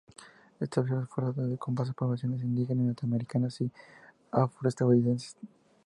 Estableció esfuerzos de base con poblaciones indígenas, latinoamericanas y afroestadounidenses.